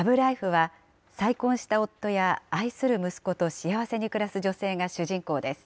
ＬＯＶＥＬＩＦＥは、再婚した夫や愛する息子と幸せに暮らす女性が主人公です。